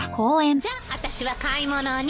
じゃああたしは買い物に。